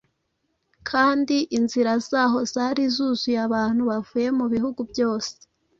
kandi inzira zaho zari zuzuye abantu bavuye mu bihugu byose.